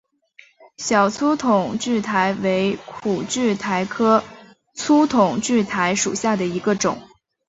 小粗筒苣苔为苦苣苔科粗筒苣苔属下的一个种。